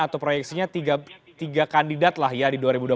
atau proyeksinya tiga kandidat lah ya di dua ribu dua puluh